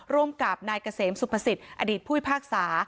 ร่วมกับนายเกษมสุภสิตอดีตผู้พ่วยภาคสา